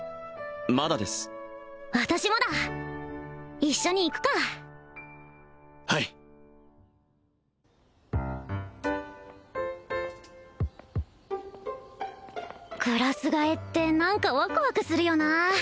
まだです私もだ一緒に行くかはいクラス替えって何かワクワクするよな